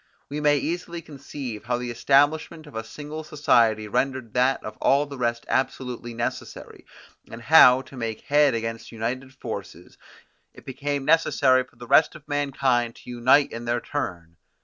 We may easily conceive how the establishment of a single society rendered that of all the rest absolutely necessary, and how, to make head against united forces, it became necessary for the rest of mankind to unite in their turn.